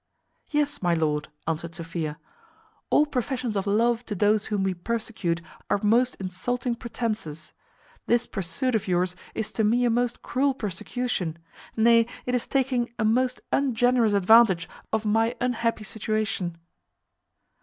"Yes, my lord," answered Sophia, "all professions of love to those whom we persecute are most insulting pretences. This pursuit of yours is to me a most cruel persecution: nay, it is taking a most ungenerous advantage of my unhappy situation."